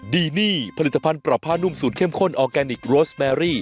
ดีนี่ผลิตภัณฑ์ปรับผ้านุ่มสูตรเข้มข้นออร์แกนิคโรสแมรี่